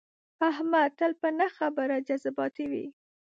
احمد تل په نه خبره جذباتي وي.